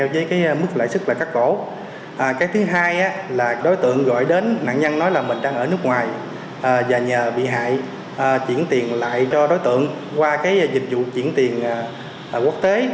và nhờ bị hại chuyển tiền lại cho đối tượng qua dịch vụ chuyển tiền quốc tế